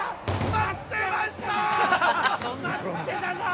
◆待ってたぞー。